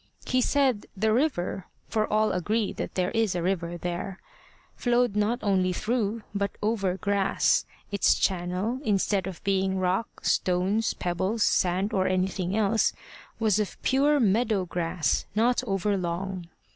He said the river for all agree that there is a river there flowed not only through, but over grass: its channel, instead of being rock, stones, pebbles, sand, or anything else, was of pure meadow grass, not over long.